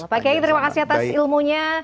pak kiai terima kasih atas ilmunya